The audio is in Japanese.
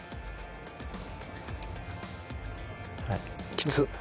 きつっ！